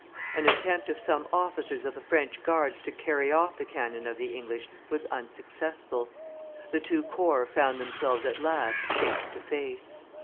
An attempt of some officers of the French guards to carry off the cannon of the English was unsuccessful. The two corps found themselves at last face to face.